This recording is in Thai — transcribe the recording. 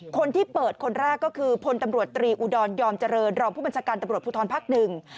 คนที่เปิดคนแรกก็คือพลตำรวจตรีอุดรยอมเจริญรองผู้บัญชาการตำรวจภูทรภักดิ์หนึ่ง